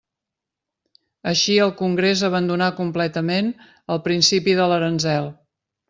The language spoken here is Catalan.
Així el Congrés abandonà completament el principi de l'aranzel.